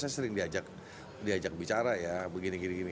saya sering diajak bicara ya begini gini